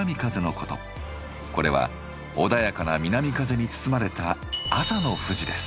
これは穏やかな南風に包まれた朝の富士です。